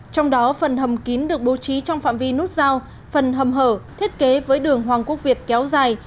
trong đó phần hầm kín được bố trí trong phạm vi nút giao phần hầm hở thiết kế với đường hoàng quốc việt kéo dài